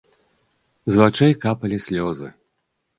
З вачэй капалі слёзы.